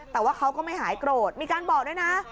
แต่ว่าเขาก็ไม่หายโกรธมีการบอกด้วยนะ